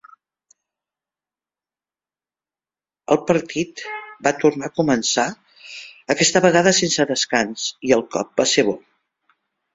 El partit va tornar a començar, aquesta vegada sense descans, i el cop va ser bo.